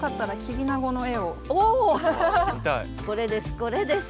これです